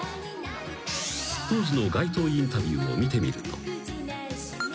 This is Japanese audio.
［当時の街頭インタビューを見てみると］